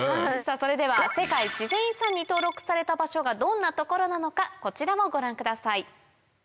それでは世界自然遺産に登録された場所がどんな所なのかこちらをご覧ください。